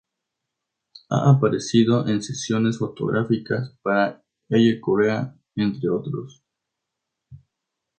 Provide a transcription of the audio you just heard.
Ha aparecido en sesiones fotográficas para "Elle Korea", entre otros...